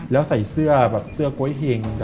แล้วใส่เสื้อก๊วยเหง